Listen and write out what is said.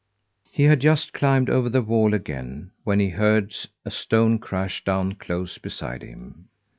He had just climbed over the wall again when he heard a stone crash down close beside him.